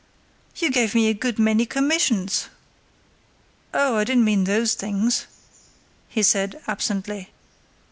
"You gave me a good many commissions!" "Oh, I didn't mean those things," he said, absently.